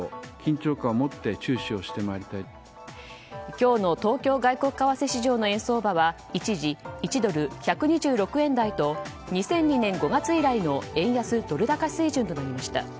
今日の東京外国為替市場の円相場は一時、１ドル＝１２６円台と２００２年５月以来の円安ドル高水準となりました。